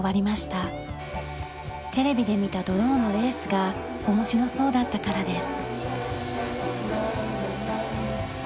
テレビで見たドローンのレースが面白そうだったからです。